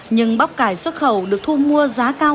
nhưng bắp cải xuất khẩu được thu mua giá cao